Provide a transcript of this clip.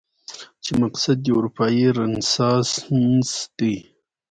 چې مقصد دې اروپايي رنسانس دی؟